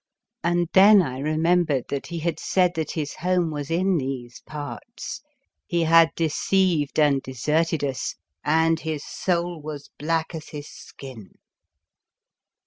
And then I remembered that he had said that his home was in these parts. He had de ceived and deserted us, and his soul was black as his skin.